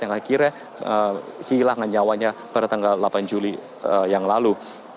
yang akhirnya hilangkan nyawanya pada tanggal delapan juli yang lalu